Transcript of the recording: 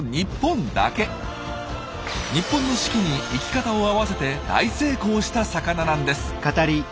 日本の四季に生き方を合わせて大成功した魚なんです。